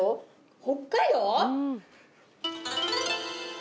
北海道？